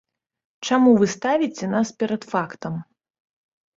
Чаму вы ставіце нас перад фактам?